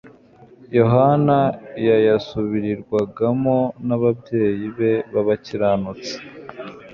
Yohana yayasubirirwagamo n'ababyeyi be b'abakiranutsi.